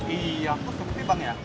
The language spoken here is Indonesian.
iya aku sepi bang ya